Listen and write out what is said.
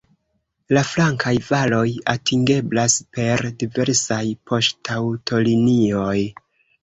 La flankaj valoj atingeblas per diversaj poŝtaŭtolinioj.